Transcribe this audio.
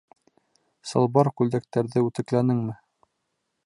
Салбар-күлдәктәрҙе үтекләнеңме?